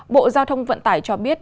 bộ giao thông vận tải cho biết